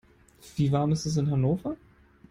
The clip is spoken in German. Wie warm ist es in Hannover?